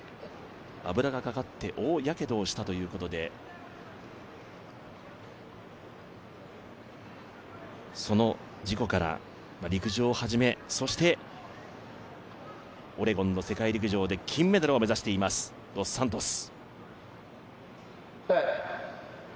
油がかかって、大やけどをしたということでその事故から陸上を始めそしてオレゴンの世界陸上で金メダルを目指していますドス・サントス。